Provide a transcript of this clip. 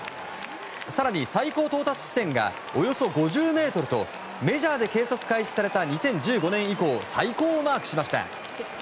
更に、最高到達地点がおよそ５０ｍとメジャーで計測開始された２０１５年以降最高をマークしました。